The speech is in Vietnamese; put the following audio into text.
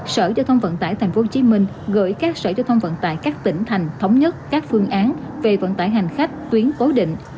sở giao thông vận tải tp hcm gửi các sở giao thông vận tải các tỉnh thành thống nhất các phương án về vận tải hành khách tuyến cố định